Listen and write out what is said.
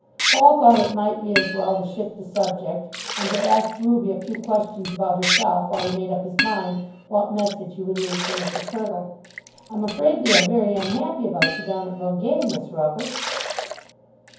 Paul thought it might be as well to shift the subject and to ask Ruby a few questions about herself while he made up his mind what message he would leave for Mrs. Hurtle. "I'm afraid they are very unhappy about you down at Bungay, Miss Ruggles."